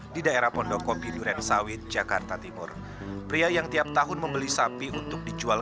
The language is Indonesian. di daerah pondokopi duren sawit jakarta timur pria yang tiap tahun membeli sapi untuk dijual